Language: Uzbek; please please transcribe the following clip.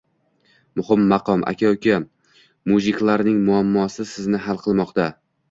Muhim - maqom! Aka -uka mujiklarning "muammosi" sizni hal qilmoqda!